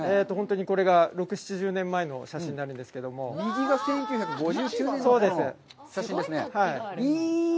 本当にこれが６０７０年前の写真になるんですけれども、右が１９５９年の写真ですね。